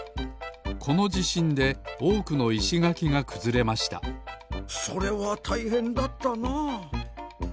このじしんでおおくのいしがきがくずれましたそれはたいへんだったなあ。